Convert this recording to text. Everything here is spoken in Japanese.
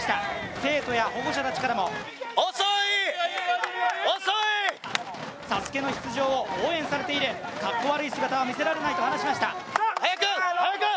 生徒や保護者たちからもＳＡＳＵＫＥの出場を応援されている、かっこ悪い姿は見せられないと話しました。